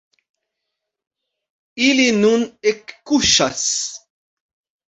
Ili nun ekkuŝas.